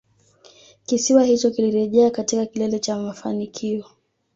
Kisiwa hicho kilirejea katika kilele cha mafanikio